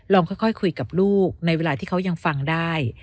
ค่อยคุยกับลูกในเวลาที่เขายังฟังได้